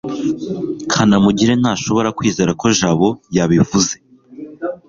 kanamugire ntashobora kwizera ko jabo yabivuze